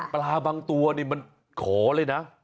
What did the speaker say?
บางตัวนี่มันขอเลยนะ